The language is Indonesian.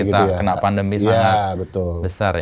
kita kena pandemi sangat besar ya